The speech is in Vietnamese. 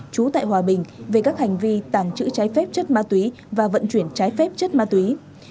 trú tại hòa bình về các hành vi tàng trữ trái phép chất ma túy và vận chuyển trái phép chất ma túy